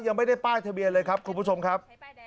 ยังไม่ได้ป้ายทะเบียนเลยครับคุณผู้ชมครับ